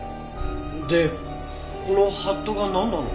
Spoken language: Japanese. でこの法度がなんなの？